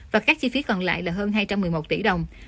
và các chi phí còn lại là hơn hai trăm một mươi một tỷ đồng